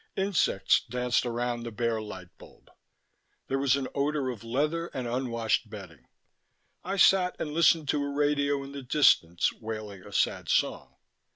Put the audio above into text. Insects danced around the bare light bulb. There was an odor of leather and unwashed bedding. I sat and listened to a radio in the distance wailing a sad song.